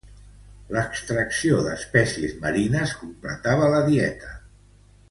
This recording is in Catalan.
L'extracció d'espècies marines completava la dieta.